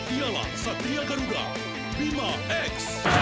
ialah satria garuda bima x